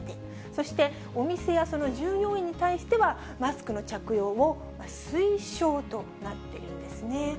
そしてお店やその従業員に対しては、マスクの着用を推奨となっているんですね。